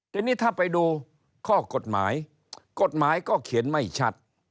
ทีนี้ถ้าไปดูข้อกฎหมายกฎหมายกฎหมายก็เขียนไม่ชัด